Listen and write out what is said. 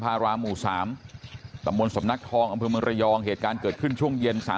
ภาระหมู่๓ตำรวจสมนักทองอำเภอมรยองเหตุการเกิดขึ้นช่วงเย็น